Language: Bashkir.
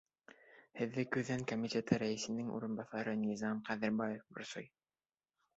Һеҙҙе Көҙән комитеты рәйесенең урынбаҫары Низам Ҡәҙербаев борсой.